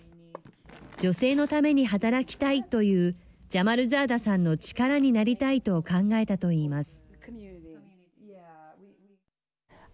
女性のために働きたいというジャマルザーダさんの力になりたいと考えたといいます。